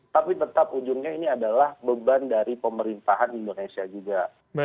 tapi tetap ujungnya ini adalah beban dari pemerintahan indonesia juga